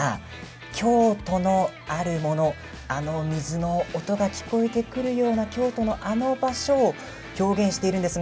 京都のあるものあの水の音が聞こえてくるような京都のあの場所を表現しています。